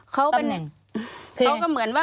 เขาก็เหมือนว่า